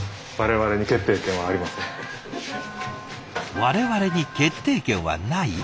「我々に決定権はない」？